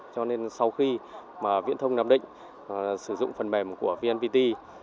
cho nên sau khi mà viễn thông nam định sử dụng phần mềm của vnpt